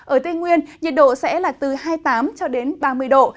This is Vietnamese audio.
ở tây nguyên nhiệt độ sẽ là từ hai mươi tám ba mươi độ